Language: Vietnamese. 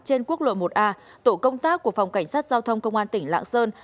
trên quốc lộ một a tổ công tác của phòng cảnh sát giao thông công an tỉnh lạng sơn